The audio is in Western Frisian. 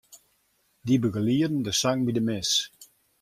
Dy begelieden de sang by de mis.